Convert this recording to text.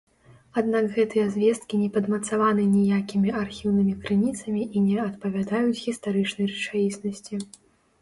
Аднак гэтыя звесткі не падмацаваны ніякімі архіўнымі крыніцамі і не адпавядаюць гістарычнай рэчаіснасці.